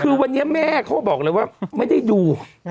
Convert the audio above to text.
คือวันนี้แม่เขาบอกเลยว่าไม่ได้ดู